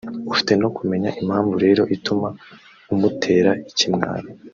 ufite no kumenya impamvu rero ituma umutera ikimwaro